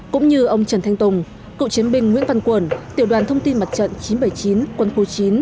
cũng như ông trần thanh tùng cựu chiến binh nguyễn văn quẩn tiểu đoàn thông tin mặt trận chín trăm bảy mươi chín quân khu chín